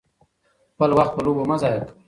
خپل وخت په لوبو مه ضایع کوئ.